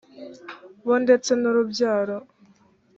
bo ndetse n urubyaro